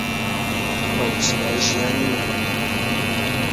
ئەو چرای ژیانی من بوو.